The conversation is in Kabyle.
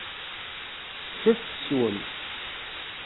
Ččet teswem.